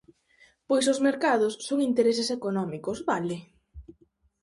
Pois os mercados son intereses económicos, vale?